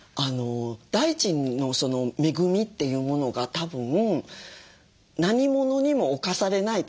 大地の恵みというものがたぶん何者にも侵されない